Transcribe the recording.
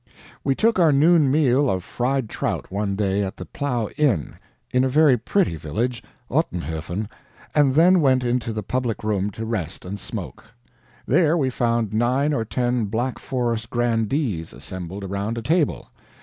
We took our noon meal of fried trout one day at the Plow Inn, in a very pretty village (Ottenhoefen), and then went into the public room to rest and smoke. There we found nine or ten Black Forest grandees assembled around a table.